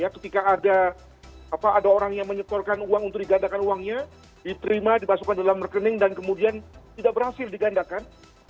ketika ada orang yang menyetorkan uang untuk digandakan uangnya diterima dibasukkan dalam rekening dan kemudian tidak berhasil digandakan